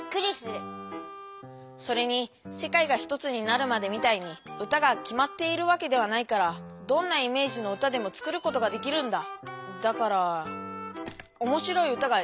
それに「世界がひとつになるまで」みたいに歌がきまっているわけではないからどんなイメージの歌でも作ることができるんだ。